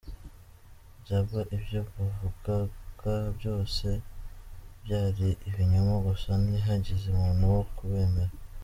Iyaba ibyo bavugaga byose byari ibinyoma gusa, ntihagize umuntu wo kubemera.